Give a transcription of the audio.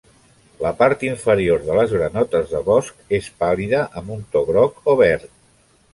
La part inferior de les granotes de bosc és pàl·lida amb un to groc o verd.